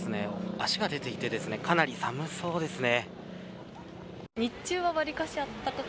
脚が出ていてかなり寒そうですね。